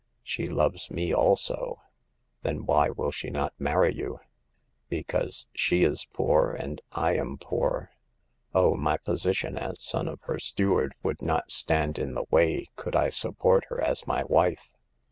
She loves me also." " Then why will she not marry you ?"" Because she is poor and I am poor. Oh, my position as son of her steward would not stand in the way could I support her as my wife.